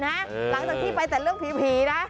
หลังจากที่ไปแต่เรื่องผีนะ